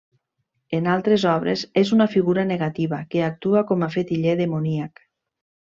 En altres obres és una figura negativa, que actua com a fetiller demoníac.